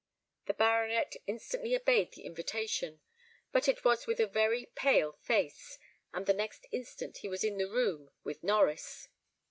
The baronet instantly obeyed the invitation, but it was with a very pale face, and the next instant he was in the room with Norries.